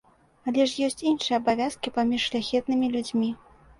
Але ж ёсць іншыя абавязкі паміж шляхетнымі людзьмі.